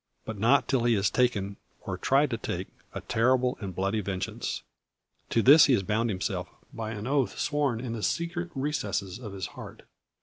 But not till he has taken, or tried to take, a terrible and bloody vengeance. To this he has bound himself, by an oath sworn in the secret recesses of his heart.